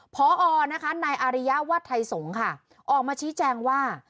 พอนะคะนายอาริยวัดไทยสงฆ์ค่ะออกมาชี้แจงว่า